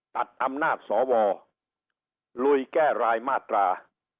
ตัดอำนาจสวลุยแก้รายมาตรา